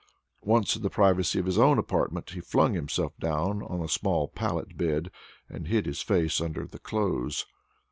Once in the privacy of his own apartment, he flung himself down on a small pallet bed, and hid his face under the clothes.